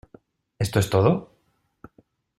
¿Esto es todo?